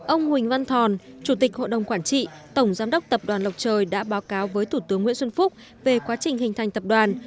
ông huỳnh văn thòn chủ tịch hội đồng quản trị tổng giám đốc tập đoàn lộc trời đã báo cáo với thủ tướng nguyễn xuân phúc về quá trình hình thành tập đoàn